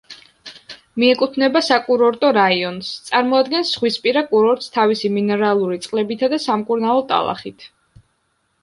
მიეკუთვნება საკურორტო რაიონს, წარმოადგენს ზღვისპირა კურორტს თავისი მინერალური წყლებითა და სამკურნალო ტალახით.